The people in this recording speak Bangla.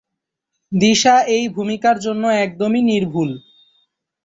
দিশা এই ভূমিকার জন্য একদমই নির্ভুল।